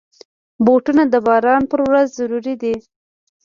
بوټونه د باران پر ورځ ضروري دي.